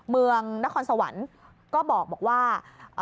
เมืองนครสวรรค์ก็บอกว่า